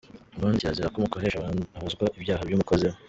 Ubundi kirazira ko umukoresha abazwa ibyaha by’umukozi we.